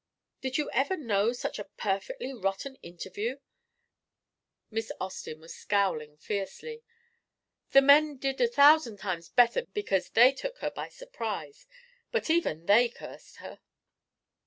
"Did you ever know such a perfectly rotten interview!" Miss Austin was scowling fiercely. "The men did a thousand times better because they took her by surprise, but even they cursed her.